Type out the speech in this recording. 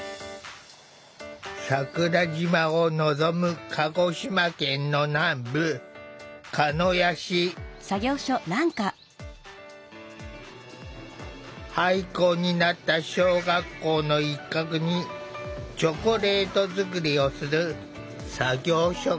桜島を望む鹿児島県の南部廃校になった小学校の一角にチョコレート作りをする作業所がある。